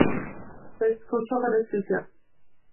To jest kluczowa decyzja